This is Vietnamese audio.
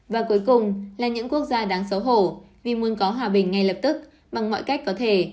và cuối cùng là những quốc gia đáng xấu hổ vì muốn có hòa bình ngay lập tức bằng mọi cách có thể